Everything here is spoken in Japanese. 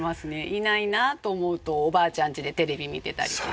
いないなと思うとおばあちゃんちでテレビ見てたりとか。